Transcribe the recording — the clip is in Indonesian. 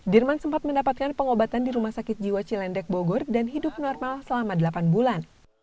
dirman sempat mendapatkan pengobatan di rumah sakit jiwa cilendek bogor dan hidup normal selama delapan bulan